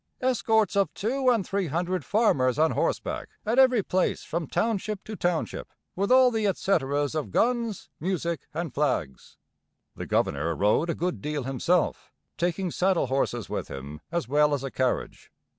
'Escorts of two and three hundred farmers on horseback at every place from township to township, with all the etceteras of guns, music, and flags.' The governor rode a good deal himself, taking saddle horses with him as well as a carriage.